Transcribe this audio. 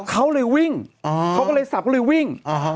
เขาเลยวิ่งเขาก็เลยสับก็เลยวิ่ง